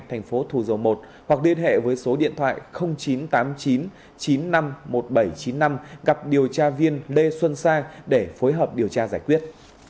thành phố thù dầu một hoặc điện hệ với số điện thoại chín trăm tám mươi chín chín trăm năm mươi một nghìn bảy trăm chín mươi năm gặp điều tra viên lê xuân sang để phối hợp điều tra giải quyết